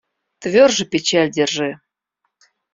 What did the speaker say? Тверже печаль держи.